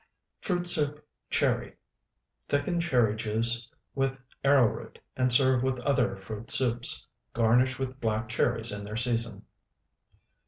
FRUIT SOUP (CHERRY) Thicken cherry juice with arrowroot, and serve with other fruit soups; garnish with black cherries in their season.